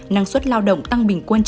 năng suất lao động tăng bình quân